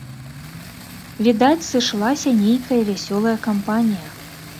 Відаць, сышлася нейкая вясёлая кампанія.